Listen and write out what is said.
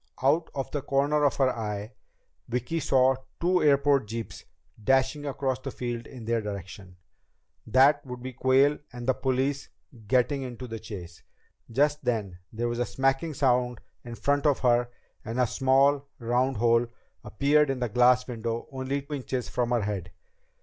Out of the corner of her eye, Vicki saw two airport jeeps dashing across the field in their direction. That would be Quayle and the police getting into the chase. Just then there was a smacking sound in front of her and a small round hole appeared in the glass window only inches from her head.